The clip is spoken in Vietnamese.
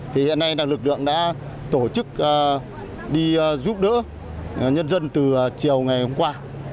thì hiện nay là lực lượng đã tổ chức đi giúp đỡ nhân dân từ chiều ngày hôm qua